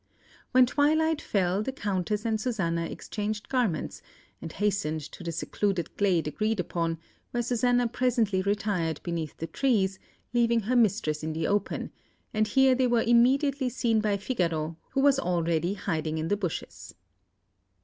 When twilight fell, the Countess and Susanna exchanged garments, and hastened to the secluded glade agreed upon, where Susanna presently retired beneath the trees, leaving her mistress in the open; and here they were immediately seen by Figaro, who was already hiding in the bushes.